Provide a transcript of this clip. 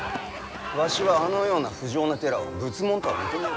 わしはあのような不浄な寺を仏門とは認めぬ。